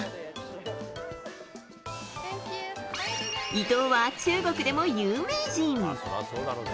伊藤は中国でも有名人。